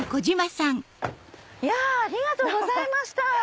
いやありがとうございました。